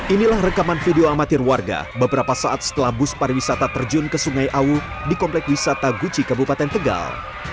inilah rekaman video amatir warga beberapa saat setelah bus pariwisata terjun ke sungai awu di komplek wisata guci kabupaten tegal